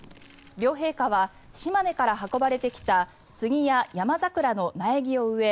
両陛下は島根から運ばれてきた杉やヤマザクラの苗木を植え